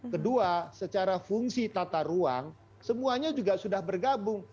kedua secara fungsi tata ruang semuanya juga sudah bergabung